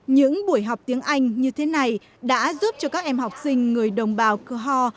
những buổi học tiếng anh như thế này đã giúp cho các em học sinh người đồng bào cơ hò